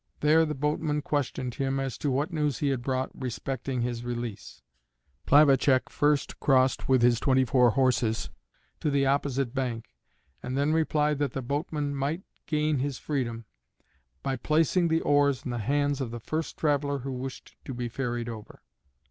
There the boatman questioned him as to what news he had brought respecting his release. Plavacek first crossed with his twenty four horses to the opposite bank, and then replied that the boatman might gain his freedom by placing the oars in the hands of the first traveler who wished to be ferried over.